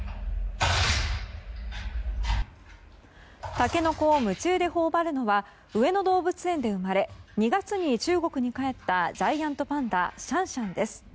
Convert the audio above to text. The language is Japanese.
タケノコを夢中で頬張るのは上野動物園で生まれ２月に中国に帰ったジャイアントパンダシャンシャンです。